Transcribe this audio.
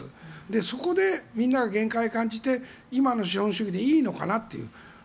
そこでみんなが限界を感じて今の資本主義でいいのかなと。